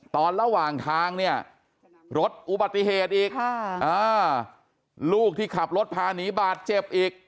ระหว่างทางเนี่ยรถอุบัติเหตุอีกลูกที่ขับรถพาหนีบาดเจ็บอีก